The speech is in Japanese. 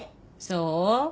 そう？